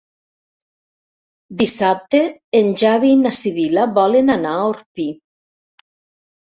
Dissabte en Xavi i na Sibil·la volen anar a Orpí.